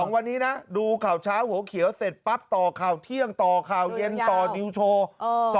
๒วันนี้นะดูข่าวเช้าหัวเขียวเสร็จปั๊บต่อข่าวเที่ยงต่อข่าวเย็นต่อนิวโชว์